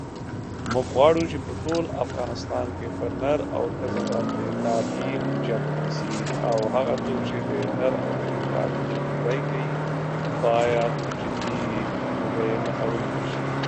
I find it a great way to relax and expand my knowledge.